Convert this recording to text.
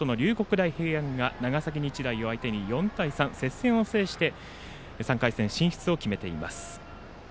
大平安が長崎日大を相手に４対３接戦を制して３回戦進出を決めています。